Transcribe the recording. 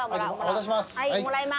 渡します。